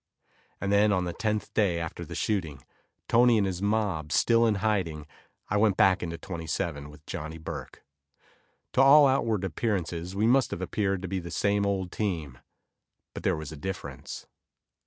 And then on the tenth day after the shooting, Tony and his mob still in hiding, I went back into 27 with Johnny Burke. To all outward appearances we must have appeared to be the same old team, but there was a difference.